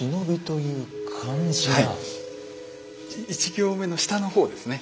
１行目の下の方ですね。